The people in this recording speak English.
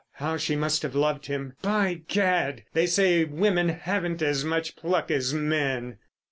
how she must have loved him. By gad! they say women haven't as much pluck as men!"